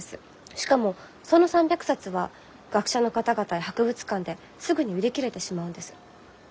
しかもその３００冊は学者の方々や博物館ですぐに売り切れてしまうんです。